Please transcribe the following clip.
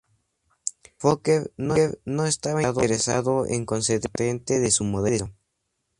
Pero Fokker no estaba interesado en conceder la patente de su modelo.